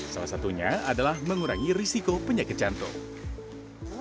salah satunya adalah mengurangi risiko penyakit jantung